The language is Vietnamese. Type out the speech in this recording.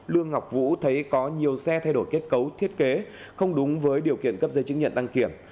lương ngọc vũ thấy có nhiều xe thay đổi kết cấu thiết kế không đúng với điều kiện cấp giấy chứng nhận đăng kiểm